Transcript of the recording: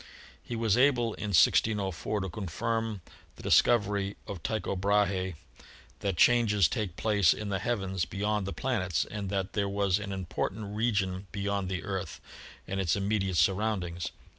He was able in 1604 to confirm the discovery of Tycho Brahe that changes take place in the heavens be yond the planets and that there was an important region beyond the Earth and its immediate surroundings.